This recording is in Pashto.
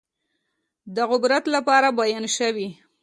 د عبرت لپاره بیان شوي.